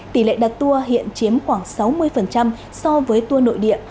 tỷ lệ đặt tour hiện chiếm khoảng sáu mươi so với tour nội địa